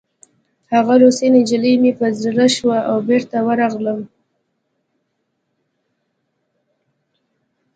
هغه روسۍ نجلۍ مې په زړه شوه او بېرته ورغلم